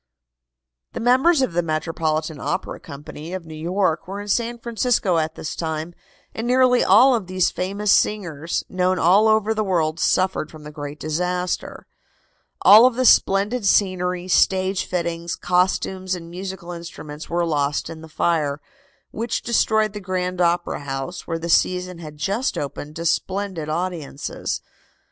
The members of the Metropolitan Opera Company, of New York, were in San Francisco at this time, and nearly all of these famous singers, known all over the world, suffered from the great disaster. All of the splendid scenery, stage fittings, costumes and musical instruments were lost in the fire, which destroyed the Grand Opera House, where the season had just opened to splendid audiences.